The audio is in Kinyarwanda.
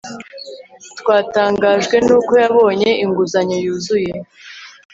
Twatangajwe nuko yabonye inguzanyo yuzuye